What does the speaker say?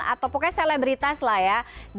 atau pokoknya selebritas lah ya